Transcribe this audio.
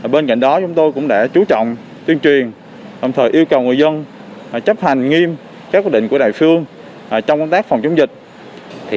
bên cạnh đó chúng tôi cũng đã chú trọng tuyên truyền đồng thời yêu cầu người dân chấp hành nghiêm các quyết định của đài phương trong công tác phòng chống dịch